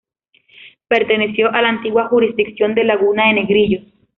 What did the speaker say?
Perteneció a la antigua Jurisdicción de Laguna de Negrillos.